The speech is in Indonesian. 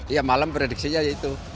ya malem prediksinya aja itu